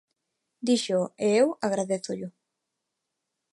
Díxoo e eu agradézollo.